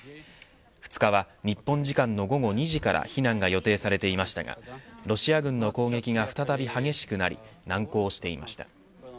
２日は、日本時間の午後２時から避難が予定されていましたがロシア軍の攻撃が再び激しくなり難航していました。